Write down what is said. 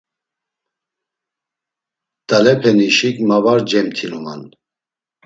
Dalepenişik ma var cemtinuman.